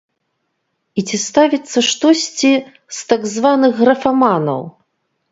І ці ставіцца штосьці з так званых графаманаў?